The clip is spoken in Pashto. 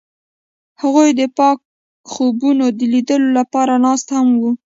هغوی د پاک خوبونو د لیدلو لپاره ناست هم وو.